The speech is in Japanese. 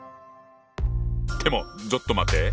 でもちょっと待って。